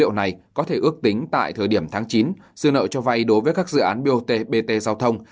điều này có thể ước tính tại thời điểm tháng chín dư nợ cho vay đối với các dự án bot bt giao thông